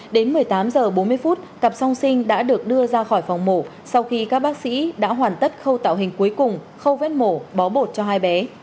đến một mươi tám h bốn mươi phút cặp song sinh đã được đưa ra khỏi phòng mổ sau khi các bác sĩ đã hoàn tất khâu tạo hình cuối cùng khâu vết mổ bó bột cho hai bé